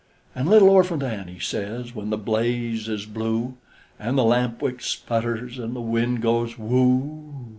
An' little Orphant Annie says, when the blaze is blue, An' the lampwick sputters, an' the wind goes woo oo!